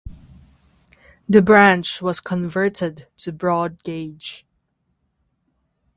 The branch was converted to broad gauge.